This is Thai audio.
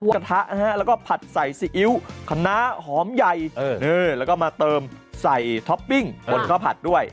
กระทะนะฮะแล้วก็ผัดใส่ซีอิ๊วคณะหอมใหญ่แล้วก็มาเติมใส่ท็อปปิ้งบนข้าวผัดด้วย